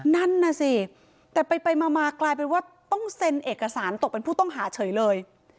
นั่นน่ะสิแต่ไปมากลายเป็นว่าต้องเซ็นเอกสารตกเป็นผู้ต้องหาเฉยเลย